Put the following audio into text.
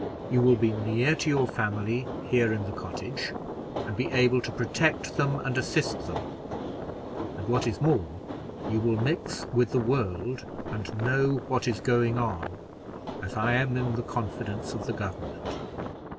You will be near to your family here in the cottage, and be able to protect them and assist them; and what is more, you will mix with the world and know what is going on, as I am in the confidence of the government.